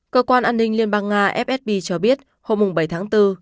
cơ quan an ninh liên bang nga fsb cho biết hôm bảy tháng bốn